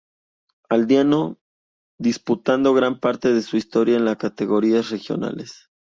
Aldeano, disputando gran parte de su historia en la categorías regionales.